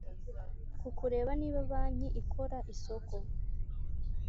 ku kureba niba banki ikora isoko